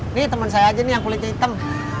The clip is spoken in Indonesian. ini temen saya aja yang kulitnya hitam